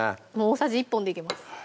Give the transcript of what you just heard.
大さじ１本でいけます